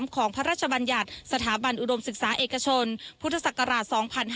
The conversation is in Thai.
ของพระราชบัญญัติสถาบันอุดมศึกษาเอกชนพุทธศักราช๒๕๕๙